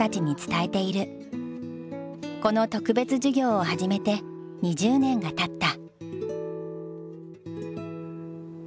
この特別授業を始めて２０年がたった。